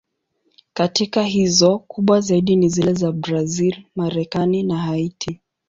Katika hizo, kubwa zaidi ni zile za Brazil, Marekani na Haiti.